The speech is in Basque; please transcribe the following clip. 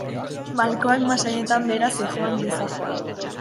Malkoak masailetan behera zihoan gizajoa.